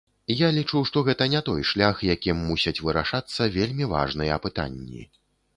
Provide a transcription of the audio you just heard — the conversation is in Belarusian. Я лічу, што гэта не той шлях, якім мусяць вырашацца вельмі важныя пытанні.